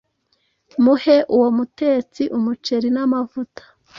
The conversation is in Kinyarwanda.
Muhe uwo mutetsi umuceri n’amavuta.